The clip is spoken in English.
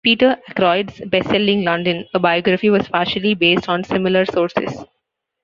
Peter Ackroyd's bestselling "London: A Biography" was partially based on similar sources.